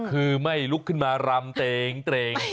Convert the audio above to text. คือไม่ลุกขึ้นมารำเต็ง